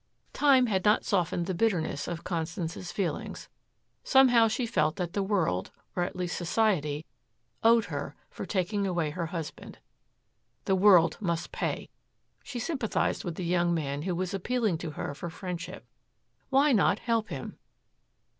'" Time had not softened the bitterness of Constance's feelings. Somehow she felt that the world, or at least society owed her for taking away her husband. The world must pay. She sympathized with the young man who was appealing to her for friendship. Why not help him?